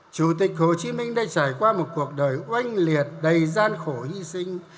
chủ tịch hồ chí minh đã trải qua một cuộc đời oanh liệt đầy gian khổ hy sinh